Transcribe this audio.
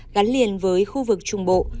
gắn liền với khu vực trung bộ